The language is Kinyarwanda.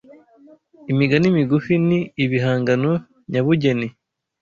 Imigani migufi ni ibihangano nyabugeni